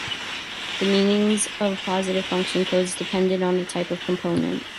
The meanings of positive function codes depended on the type of component.